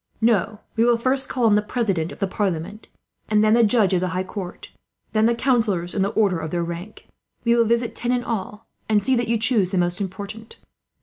"No, we will first call on the President of the Parliament, and then the Judge of the High Court, then the councillors in the order of their rank. We will visit ten in all, and see that you choose the most important.